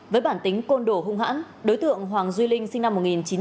với bản tính côn đồ hung hãn đối tượng hoàng duy linh sinh năm một nghìn chín trăm tám mươi